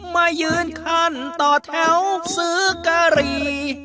มายืนขั้นต่อแถวซื้อกะหรี่